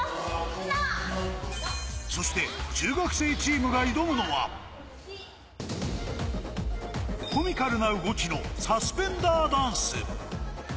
そして中学生チームが挑むのは、コミカルな動きのサスペンダーダンス。